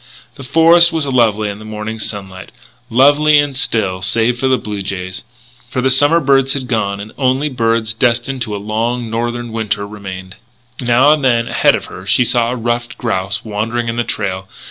The forest was lovely in the morning sunlight lovely and still save for the blue jays for the summer birds had gone and only birds destined to a long Northern winter remained. Now and then, ahead of her, she saw a ruffed grouse wandering in the trail.